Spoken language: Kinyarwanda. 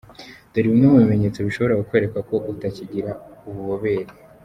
Dore bimwe mu bimenyetso bishobora kukwereka ko utakigira ububobere.